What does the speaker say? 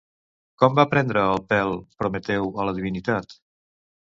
Com va prendre el pèl Prometeu a la divinitat?